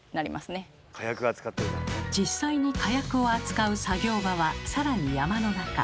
実際に火薬を扱う作業場は更に山の中。